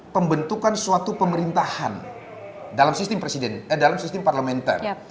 pembentukan suatu pemerintahan dalam sistem parlamenter